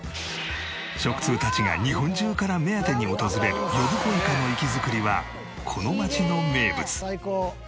食通たちが日本中から目当てに訪れる呼子イカの活き造りはこの街の名物。